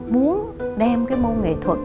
muốn đem cái môn nghệ thuật